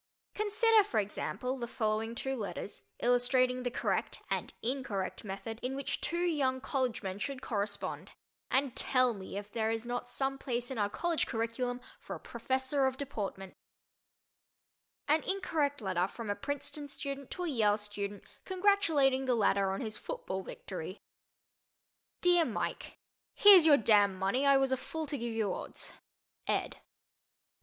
Consider, for example, the following two letters, illustrating the correct and incorrect method in which two young college men should correspond, and tell me if there is not some place in our college curriculum for a Professor of Deportment: An Incorrect Letter from a Princeton Student to a Yale Student Congratulating the Latter on His Football Victory DEAR MIKE: Here's your damn money. I was a fool to give you odds. ED.